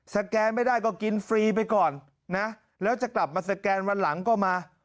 แกนไม่ได้ก็กินฟรีไปก่อนนะแล้วจะกลับมาสแกนวันหลังก็มา